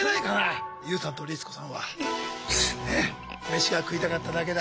「飯が食いたかっただけだ」